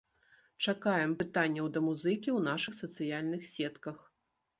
Чакаем пытанняў да музыкі ў нашых сацыяльных сетках.